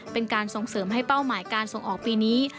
เป็นการส่งเสริมให้เป้าหมายการส่งออกปีนี้